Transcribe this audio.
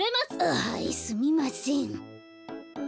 あはいすみません。